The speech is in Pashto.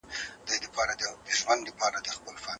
مکتبونه او پارکونه زموږ دي.